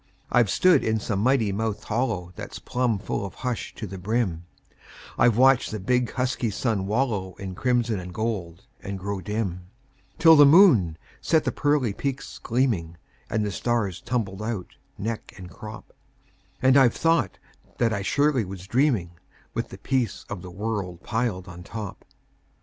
I've stood in some mighty mouthed hollow That's plumb full of hush to the brim; I've watched the big, husky sun wallow In crimson and gold, and grow dim, Till the moon set the pearly peaks gleaming, And the stars tumbled out, neck and crop; And I've thought that I surely was dreaming, With the peace o' the world piled on top.